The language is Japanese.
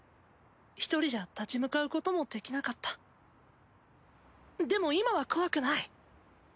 １人じゃ立ち向かうこともできなかったでも今は怖くない。